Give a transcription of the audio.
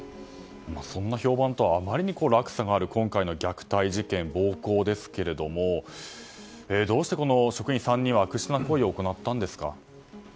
そんな評判とはあまりにも落差がある今回の虐待事件暴行ですけれどもどうして、この職員３人は悪質な行為を行ったんですか。